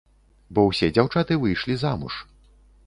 Бо ўсе дзяўчаты выйшлі замуж.